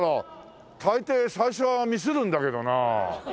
大抵最初はミスるんだけどなあ。